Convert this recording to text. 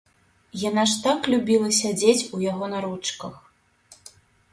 Яна ж так любіла сядзець у яго на ручках!